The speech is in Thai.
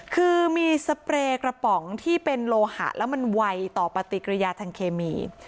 คือมีสเปรย์กระป๋องที่เป็นโลหะแล้วมันไวต่อปฏิกิริยาทางเคมี